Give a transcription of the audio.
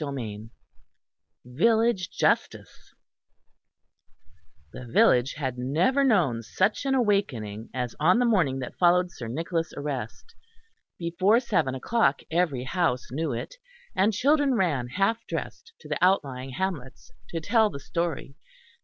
CHAPTER IX VILLAGE JUSTICE The village had never known such an awakening as on the morning that followed Sir Nicholas' arrest. Before seven o'clock every house knew it, and children ran half dressed to the outlying hamlets to tell the story.